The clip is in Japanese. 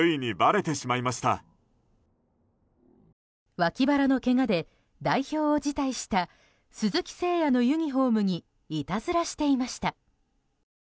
脇腹のけがで代表を辞退した鈴木誠也のユニホームにいたずらしていました。